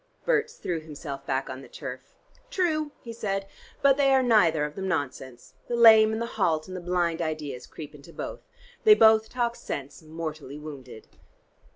Berts threw himself back on the turf. "True," he said. "But they are neither of them nonsense. The lame and the halt and the blind ideas creep into both. They both talk sense mortally wounded."